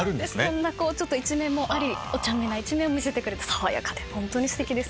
そんな一面もありおちゃめな一面も見せてくれて爽やかでホントにすてきです。